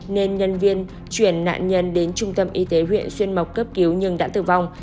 nên nhân viên chuyển nạn nhân đến trung tâm y tế huyện xuyên mộc cấp cứu nhưng đã tử vong